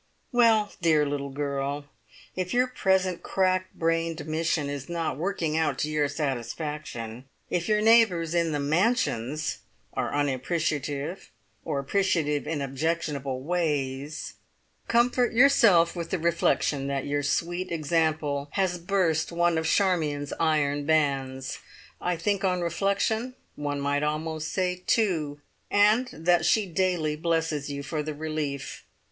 "Well, dear little girl, if your present crack brained mission is not working out to your satisfaction, if your neighbours in the `Mansions' (?) are unappreciative or appreciative in objectionable ways comfort yourself with the reflection that your sweet example has burst one of Charmion's iron bands. I think on reflection one might almost say two, and that she daily blesses you for the relief!